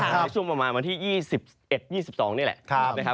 ในช่วงประมาณวันที่๒๑๒๒นี่แหละ